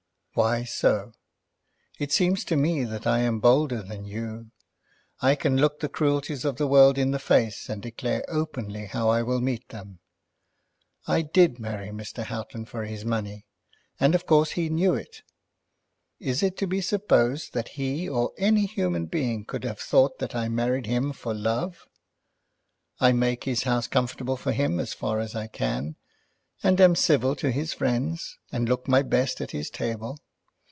"Why so? It seems to me that I am bolder than you. I can look the cruelties of the world in the face, and declare openly how I will meet them. I did marry Mr. Houghton for his money, and of course he knew it. Is it to be supposed that he or any human being could have thought that I married him for love? I make his house comfortable for him as far as I can, and am civil to his friends, and look my best at his table.